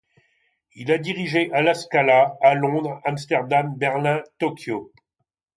Il a dirigé à la Scala, à Londres, Amsterdam, Berlin, Tokyo.